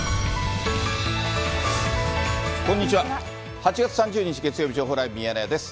８月３０日月曜日、情報ライブミヤネ屋です。